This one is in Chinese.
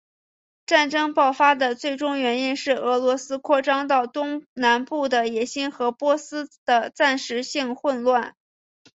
战争爆发的最终原因是俄罗斯扩张到东南部的野心和波斯的暂时性混乱。